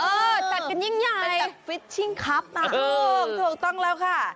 เออจัดกันยิ่งใหญ่เป็นตักฟิชชิงคลับน่ะโอ้ถูกต้องแล้วค่ะ